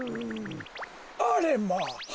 あれまあ。